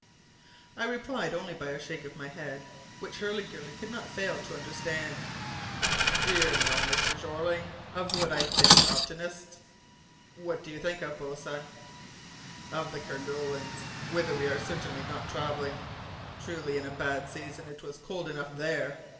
I replied only by a shake of my head, which Hurliguerly could not fail to understand. "Do you know, Mr. Jeorling, of what I think oftenest?" "What do you think of, boatswain?" "Of the Kerguelens, whither we are certainly not travelling. Truly, in a bad season it was cold enough there!